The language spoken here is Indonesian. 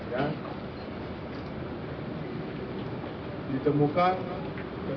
yang ditemukan ketika akan turun ke kampung